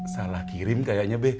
salah kirim kayaknya be